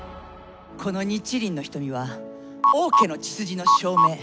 この日輪の瞳は王家の血筋の証明。